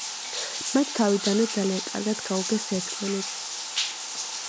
მათ თავიდანვე ძალიან კარგად გაუგეს ერთმანეთს.